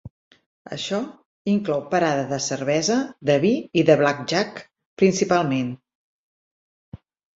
Això inclou parada de cervesa, de vi i de blackjack principalment.